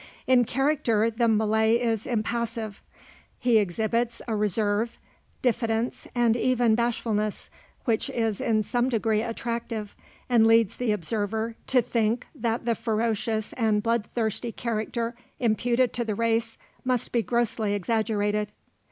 In character the Malay is impassive. He exhibits a reserve, diffidence, and even bashfulness, which is in some degree attractive, and leads the observer to thinly that the ferocious and bloodthirsty character imputed to the race must be grossly exaggerated.